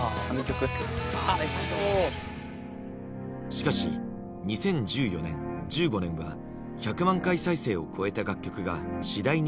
しかし２０１４年１５年は１００万回再生を超えた楽曲が次第に減少。